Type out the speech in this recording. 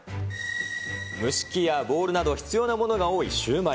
蒸し器やボウルなど必要なものが多いシューマイ。